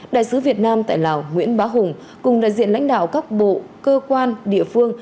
đại sứ việt nam tại lào nguyễn bá hùng cùng đại diện lãnh đạo các bộ cơ quan địa phương